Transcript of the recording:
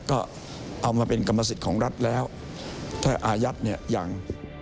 ก็เอามาเป็นกรรมสิทธิ์ของรัฐแล้วถ้าอายัดเนี่ยยัง